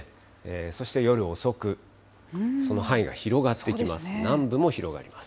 そして夜遅く、その範囲が広がってきます。